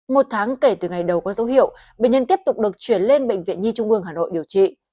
một tháng kể từ ngày đầu có dấu hiệu bệnh nhân tiếp tục được chuyển lên bệnh viện nhi trung ương hà nội điều trị